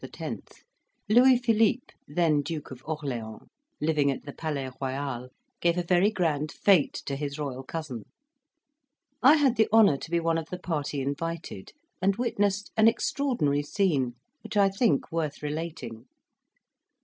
Louis Philippe, then Duke of Orleans, living at the Palais Royal, gave a very grand fete to his royal cousin. I had the honour to be one of the party invited, and witnessed an extraordinary scene, which I think worth relating.